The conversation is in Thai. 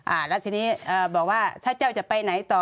แล้วทีนี้บอกว่าถ้าเจ้าจะไปไหนต่อ